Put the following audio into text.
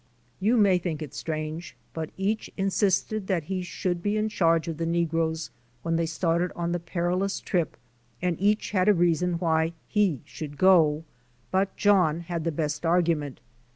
You may think it strange but each insisted that he should be in charge of the negroes when they started on the perilous trip and each had a good reason why he should go but John had the best argument.